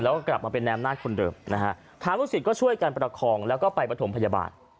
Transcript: แล้วก็กลับมาเป็นในอำนาจคนเดิมนะฮะทางลูกศิษย์ก็ช่วยกันประคองแล้วก็ไปประถมพยาบาล